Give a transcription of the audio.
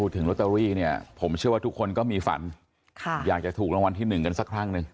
ตอนนี้ผมเชื่อว่าทุกคนก็มีฝันอยากจะถูกรางวัลที่หนึ่งกันสักครั้งหนึ่ง